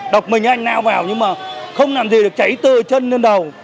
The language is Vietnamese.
đọc mình anh nao vào nhưng mà không làm gì được cháy tơ chân lên đầu